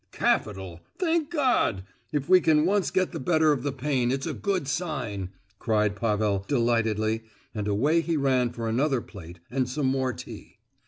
"Capital! thank God! if we can once get the better of the pain it's a good sign!" cried Pavel, delightedly, and away he ran for another plate and some more tea.